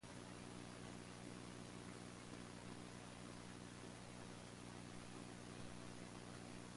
It's more important than any stadium they could ever build in this state.